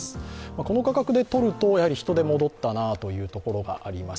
この画角で撮ると、人出が戻ったなというところがあります